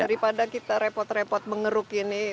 daripada kita repot repot mengeruk ini